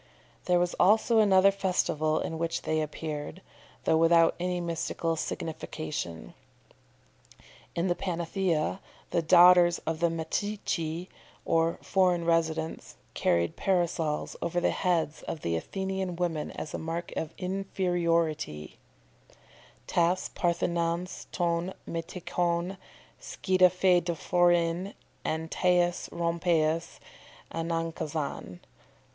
There was also another festival in which they appeared, though without any mystical signification. In the Panathenæa, the daughters of the Metceci, or foreign residents, carried Parasols over the heads of Athenian women as a mark of inferiority, "tas parthenons ton metoikon skiadaephorein en tais rompais aenankazon."